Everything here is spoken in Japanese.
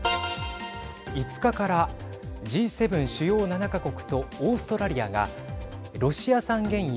５日からＧ７＝主要７か国とオーストラリアがロシア産原油